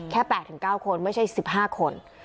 แค่๘๙คนไม่ใช่๑๕คน